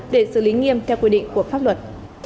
để xử lý nghiêm theo quy định của pháp luật